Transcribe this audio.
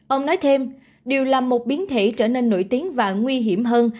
ông nói thêm điều là một biến thể trở nên nổi tiếng và nguy hiểm hơn